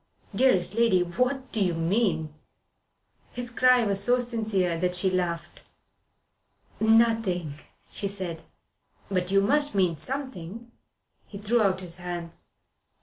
Dearest lady, what do you mean?" His cry was so sincere that she laughed. "Nothing," she said. "But you must mean something." He threw out his hands.